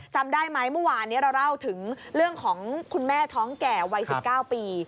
จำได้ไหมเมื่อวานนี้เราเล่าถึงเรื่องของคุณแม่ท้องแก่วัย๑๙ปี